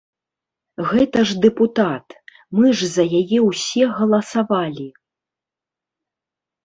Гэта ж дэпутат, мы ж за яе ўсе галасавалі!